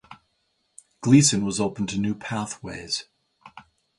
Gleason was open to new pathways.